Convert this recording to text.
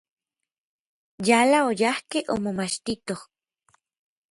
Yala oyajkej omomachtitoj.